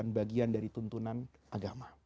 itu juga bukan bagian dari tuntunan agama